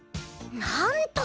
なんと！